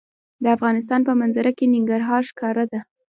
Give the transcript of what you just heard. د افغانستان په منظره کې ننګرهار ښکاره ده.